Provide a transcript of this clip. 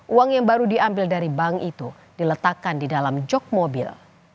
uang yang baru diambil dari bank itu diletakkan di dalam jog mobil